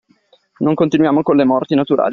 Non continuiamo con le morti naturali!